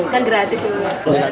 kan gratis ya bu